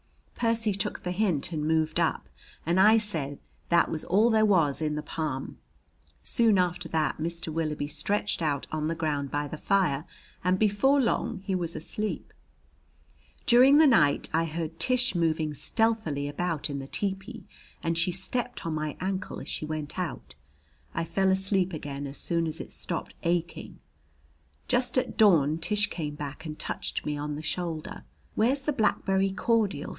Percy took the hint and moved up, and I said that was all there was in the palm. Soon after that Mr. Willoughby stretched out on the ground by the fire, and before long he was asleep. During the night I heard Tish moving stealthily about in the tepee and she stepped on my ankle as she went out. I fell asleep again as soon as it stopped aching. Just at dawn Tish came back and touched me on the shoulder. "Where's the blackberry cordial?"